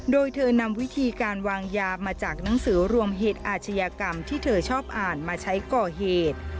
โดยเธอนำวิธีการวางยามาจากหนังสือรวมเหตุอาชญากรรมที่เธอชอบอ่านมาใช้ก่อเหตุ